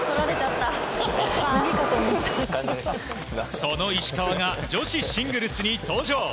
その石川が女子シングルスに登場。